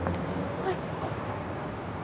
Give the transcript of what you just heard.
はい。